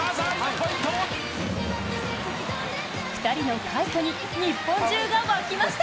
２人の快挙に日本中が沸きました！